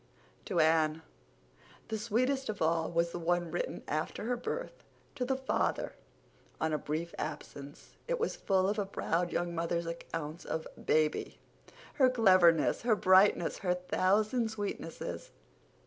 To Anne, the sweetest of all was the one written after her birth to the father on a brief absence. It was full of a proud young mother's accounts of "baby"—her cleverness, her brightness, her thousand sweetnesses.